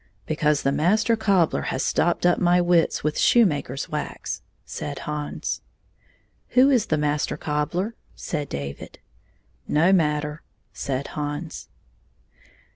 Because the Master Cobbler has stopped up my wits with shoe maker's wax," said Hans. "Who is the Master Cobbler?" said David. "No matter," said Hans.